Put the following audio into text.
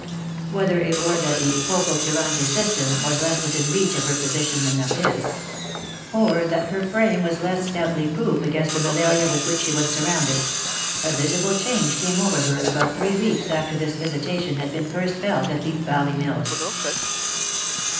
Whether it were that the poco curante system was less within reach of her position than of his ; or that her frame was less stoutly proof against the malaria with which she was sur rounded, a visible change came over her about three weeks after this visitation had been first felt at the Deep Valley mills.